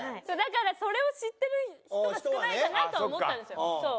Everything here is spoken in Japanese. だからそれを知ってる人が少ないかなとは思ったんですよ。